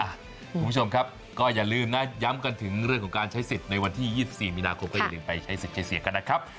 คุณผู้ชมครับก็อย่าลืมนะย้ำกันถึงเรื่องของการใช้สิทธิ์ในวันที่๒๔มีนาคมก็อย่าลืมไปใช้สิทธิ์ใช้เสียงกันนะครับ